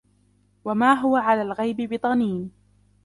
وَمَا هُوَ عَلَى الْغَيْبِ بِضَنِينٍ